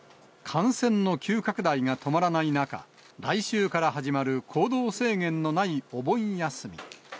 感染の急拡大が止まらない中、来週から始まる行動制限のないお盆休み。